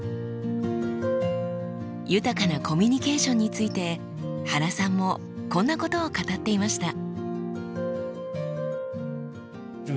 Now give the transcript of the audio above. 豊かなコミュニケーションについて原さんもこんなことを語っていました。